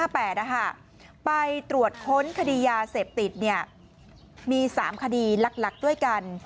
ไปตรวจค้นคดียาเสพติดมี๓คดีหลักด้วยกัน